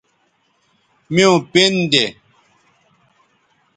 میوں پِن دے